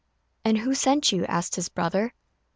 "And who sent you?" asked his brother.